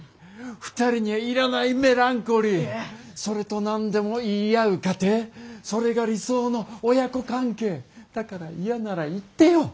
２人にはいらないメランコリーそれとなんでも言い合う家庭それが理想の親子関係だから嫌なら言ってよ